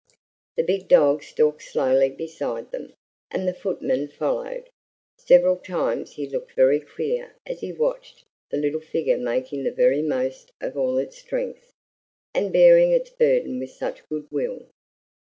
The big dog stalked slowly beside them, and the big footman followed; several times he looked very queer as he watched the little figure making the very most of all its strength, and bearing its burden with such good will.